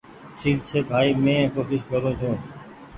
ٺيڪ ڇي ڀآئي مينٚ ڪوشش ڪررو ڇوٚنٚ